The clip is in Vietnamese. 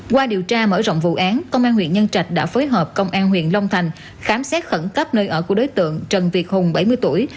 qua điều tra mở rộng vụ án công an huyện nhân trạch đã phối hợp công an huyện long thành khám xét khẩn cấp nơi ở của đối tượng trần việt hùng bảy mươi tuổi